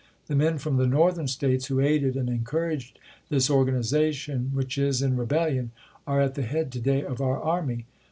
The men from the Northern States who aided and encouraged this organization which is in rebel lion are at the head to day of oui" army.